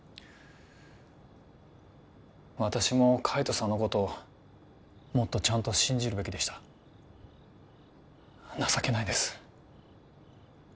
私も海斗さんのことをもっとちゃんと信じるべきでした情けないです